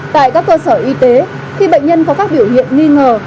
tại các cơ sở y tế khi bệnh nhân có các biểu hiện nghi ngờ